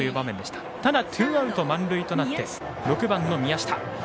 ただ、ツーアウト満塁となって６番の宮下。